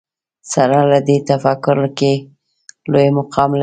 سره له دې تفکر کې لوی مقام لري